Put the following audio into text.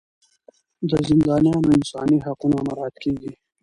د زندانیانو انساني حقونه مراعات کیږي.